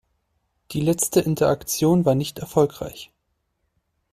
Die letzte Interaktion war nicht erfolgreich.